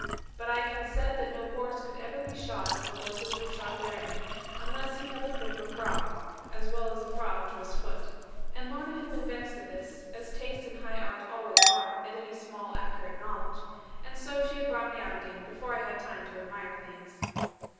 But I had said that no horse could ever be shod as the horses were shod therein, unless he had the foot of a frog, as well as a frog to his foot. And Lorna had been vexed at this (as taste and high art always are, at any small accurate knowledge), and so she had brought me out again, before I had time to admire things.